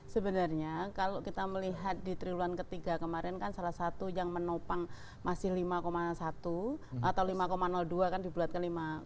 sebenarnya kalau kita melihat di triwulan ketiga kemarin kan salah satu yang menopang masih lima satu atau lima dua kan dibuat ke lima